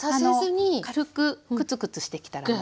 軽くクツクツしてきたら。